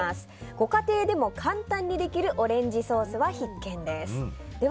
ご家庭でも簡単にできるオレンジソースは必見です。